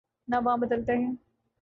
نہ عوام بدلتے ہیں۔